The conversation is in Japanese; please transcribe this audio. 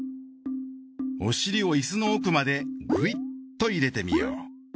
お尻を椅子の奥までぐいっと入れてみよう。